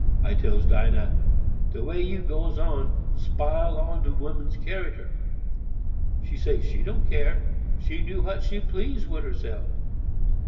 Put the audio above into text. I tells Dinah, 'De way you goes on spile all do women's character.'—She say she didn't care, she do what she please wid herself.